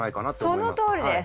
そのとおりです。